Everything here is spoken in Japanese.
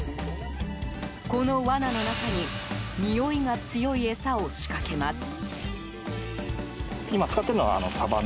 この罠の中ににおいが強い餌を仕掛けます。